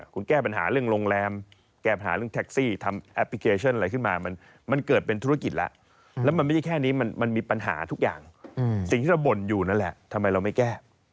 คุณแก้ปัญหาเรื่องโรงแรมแก้ปัญหาเรื่องแท็กซี่ทำแอปพลิเคชันอะไรขึ้นมามันเกิดเป็นธุรกิจแล้วแล้วมันไม่ใช่แค่นี้มันมีปัญหาทุกอย่างสิ่งที่เราบ่นอยู่นั่นแหละทำไมเราไม่แก้